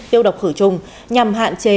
tiêu độc khử trùng nhằm hạn chế